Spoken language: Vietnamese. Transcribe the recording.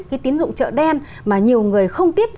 cái tín dụng chợ đen mà nhiều người không tiếp